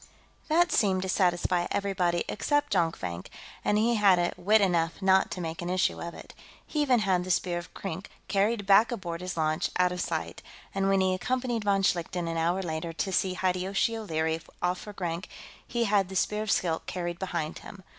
That seemed to satisfy everybody except Jonkvank, and he had wit enough not to make an issue of it. He even had the Spear of Krink carried back aboard his launch, out of sight, and when he accompanied von Schlichten, an hour later, to see Hideyoshi O'Leary off for Grank, he had the Spear of Skilk carried behind him.